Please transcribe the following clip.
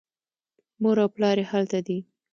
مور او پلار یې هلته دي.